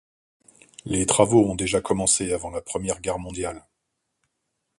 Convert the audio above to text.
Les travaux ont déjà commencé avant la Première Guerre mondiale.